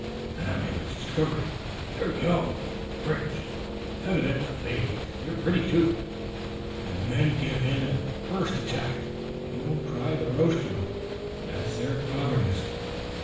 Then I made a discovery. They're young and rich, and evidently ladies. They're pretty, too, and the men give in at the first attack. They don't try to roast you. That's their cleverness.